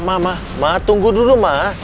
ma ma ma ma tunggu dulu ma